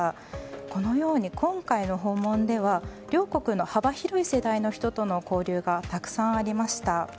このように今回の訪問では両国の幅広い世代の人との交流がたくさんありました。